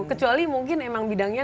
kecuali mungkin emang bidangnya